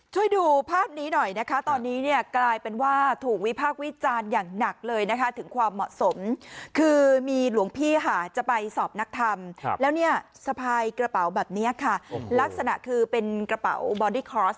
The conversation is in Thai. ช่วยดูภาพนี้หน่อยนะคะตอนนี้เนี่ยกลายเป็นว่าถูกวิพากษ์วิจารณ์อย่างหนักเลยนะคะถึงความเหมาะสมคือมีหลวงพี่ค่ะจะไปสอบนักทำแล้วเนี่ยสะพายกระเป๋าแบบนี้ค่ะลักษณะคือเป็นกระเป๋าบอดี้คลอส